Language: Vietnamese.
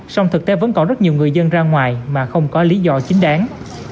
song thực tế vẫn còn rất nhiều người dân ra ngoài mà không có lý do chính đáng